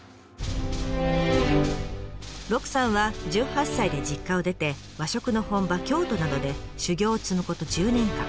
鹿さんは１８歳で実家を出て和食の本場京都などで修業を積むこと１０年間。